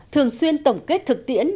thường xuyên tổng kết thực tiễn